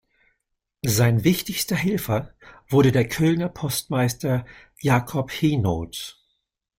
Sein wichtigster Helfer wurde der Kölner Postmeister Jacob Henot.